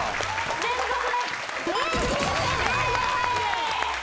連続で。